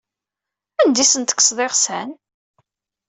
Anda ay asent-tekkseḍ iɣsan?